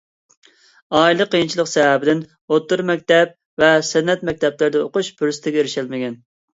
ئائىلە قىيىنچىلىق سەۋەبىدىن تولۇق ئوتتۇرا مەكتەپ ۋە سەنئەت مەكتەپلىرىدە ئوقۇش پۇرسىتىگە ئېرىشەلمىگەن.